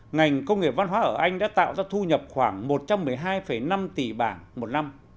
ngành công nghiệp văn hóa ở anh đã tạo ra thu nhập khoảng một trăm một mươi hai năm tỷ bảng một năm